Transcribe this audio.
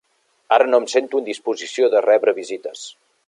Ara no em sento en disposició de rebre visites.